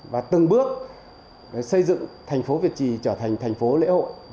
và từng bước xây dựng thành phố việt trì trở thành thành phố lễ hội